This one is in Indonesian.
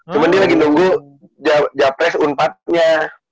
cuman dia lagi nunggu jafres un empat nya